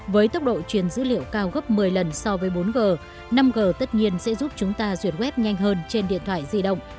với tốc độ truyền dữ liệu cao gấp một mươi lần so với bốn g năm g tất nhiên sẽ giúp chúng ta duyệt web nhanh hơn trên điện thoại di động